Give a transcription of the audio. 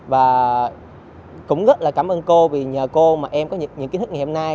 và cũng rất là cảm ơn cô vì nhờ cô mà em có những kiến thức ngày hôm nay